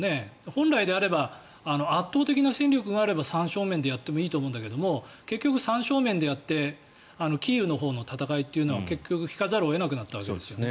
本来であれば圧倒的な戦力があれば三正面でやってもいいと思うんだけど結局、三正面でやってキーウのほうの戦いというのは結局引かざるを得なくなったわけですね。